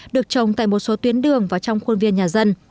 được trồng tại một số tuyến đường và trong khuôn viên nhà dân